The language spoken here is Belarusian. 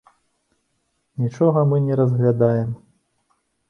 Нічога мы не разглядаем.